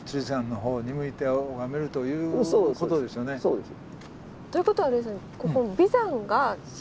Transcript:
そうです。